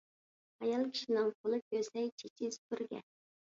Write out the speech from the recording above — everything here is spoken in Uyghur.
ئايال كىشىنىڭ قولى كۆسەي، چېچى سۈپۈرگە.